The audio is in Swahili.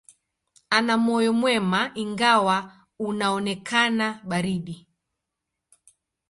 Ana moyo mwema, ingawa unaonekana baridi.